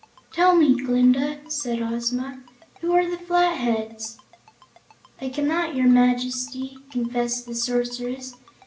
"Tell me, Glinda," said Ozma, "who are the Flatheads?" "I cannot, your Majesty," confessed the Sorceress.